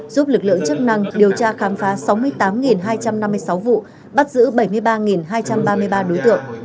giúp lực lượng chức năng điều tra khám phá sáu mươi tám hai trăm năm mươi sáu vụ bắt giữ bảy mươi ba hai trăm ba mươi ba đối tượng